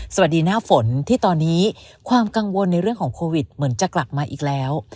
สวัสดีหน้าฝนที่ตอนนี้ความกังวลในเรื่องของโควิดเหมือนจะกลับมาอีกแล้ว